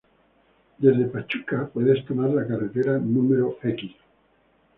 Desde Pachuca puedes tomar la carretera núm.